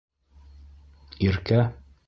Иркә?